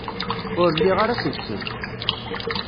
Ur lliɣ ara seg-sen.